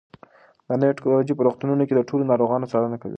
دا نوې ټیکنالوژي په روغتونونو کې د ټولو ناروغانو څارنه کوي.